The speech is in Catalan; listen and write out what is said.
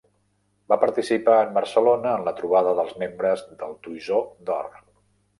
Va participar en Barcelona en la trobada dels membres del Toisó d'or.